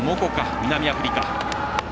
南アフリカ。